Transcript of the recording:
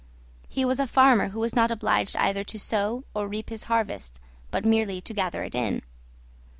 He was a farmer who was not obliged either to sow or reap his harvest, but merely to gather it in.